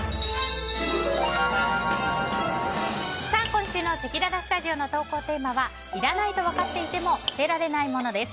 今週のせきららスタジオの投稿テーマはいらないと分かっていても捨てられない物です。